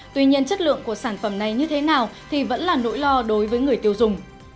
tuy nhiên chất lượng của sản phẩm này như thế nào thì vẫn là nỗi lo đối với người tiêu dùng